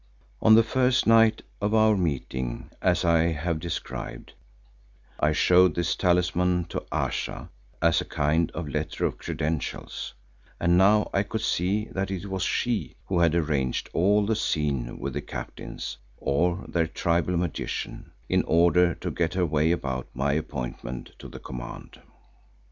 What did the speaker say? On the first night of our meeting, as I have described, I showed this talisman to Ayesha, as a kind of letter of credentials, and now I could see that it was she who had arranged all the scene with the captains, or their tribal magician, in order to get her way about my appointment to the command.